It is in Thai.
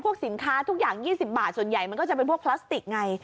สินค้าทุกอย่าง๒๐บาทส่วนใหญ่มันก็จะเป็นพวกพลาสติกไง